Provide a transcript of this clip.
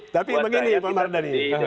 tapi begini pak mardhani